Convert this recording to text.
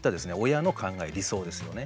親の考え理想ですよね。